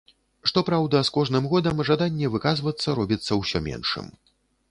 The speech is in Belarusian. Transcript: Што праўда, з кожным годам жаданне выказвацца робіцца ўсё меншым.